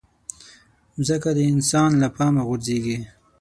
مځکه د انسان له پامه غورځيږي.